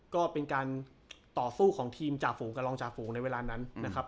ก็เป็นการต่อสู้ของทีมจ่าฝูงกับรองจ่าฝูงในเวลานั้นนะครับ